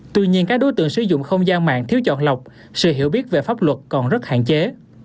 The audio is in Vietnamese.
tuy nhiên các đối tượng sử dụng không gian mạng thiếu chọn lọc sự hiểu biết về pháp luật còn rất hạn chế